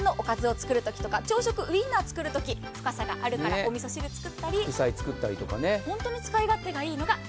１人分のおかずを作るときとか朝食ウインナーを作る時、深さがあるから、おみそ汁を作ったり。